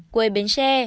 quê bến tre